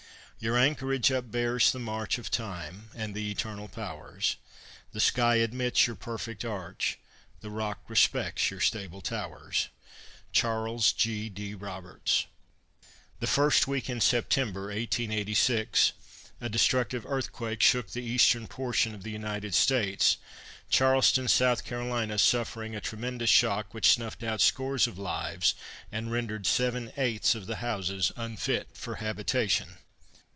Your anchorage upbears the march Of time and the eternal powers. The sky admits your perfect arch, The rock respects your stable towers. CHARLES G. D. ROBERTS. The first week in September, 1886, a destructive earthquake shook the eastern portion of the United States, Charleston, S. C., suffering a tremendous shock which snuffed out scores of lives and rendered seven eighths of the houses unfit for habitation.